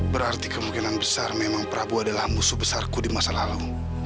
berarti kemungkinan besar memang prabowo adalah musuh besarku di masa lalu